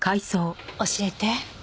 教えて。